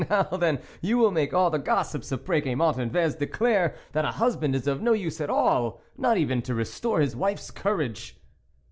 " Well, now then, you will make all the gossips of Preciamont and Vez declare that a husband is of no use at all, not even to restore his wife's courage."